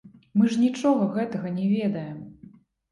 Мы ж нічога гэтага не ведаем.